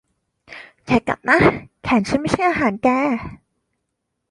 อย่ากัดนะ แขนฉันไม่ใช่อาหารแก